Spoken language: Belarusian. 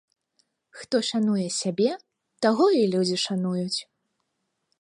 Хто шануе сябе, таго і людзі шануюць